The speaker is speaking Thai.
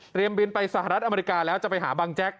บินไปสหรัฐอเมริกาแล้วจะไปหาบังแจ๊ก